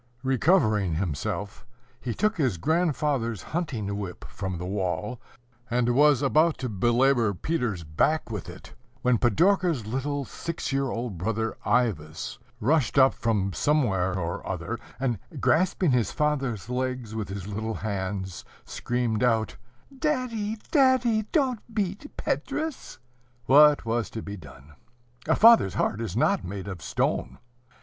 Recovering himself, he took his grandfather's hunting whip from the wall, and was about to belabor Peter's back with it, when Pidorka's little six year old brother Ivas rushed up from somewhere or other, and, grasping his father's legs with his little hands, screamed out, "Daddy, daddy! don't beat Petrus!" What was to be done? A father's heart is not made of stone.